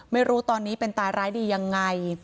ไม่รู้ตอนนี้เป็นตายร้ายดียังไง